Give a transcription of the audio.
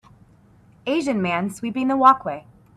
Asian man sweeping the walkway.